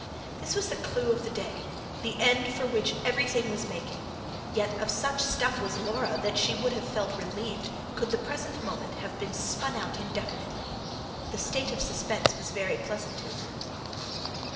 This was the CLOU of the day, the end for which everything was making; yet of such stuff was Laura that she would have felt relieved, could the present moment have been spun out indefinitely. The state of suspense was very pleasant to her.